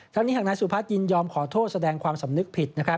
ทั้งนี้หากนายสุพัฒนยินยอมขอโทษแสดงความสำนึกผิด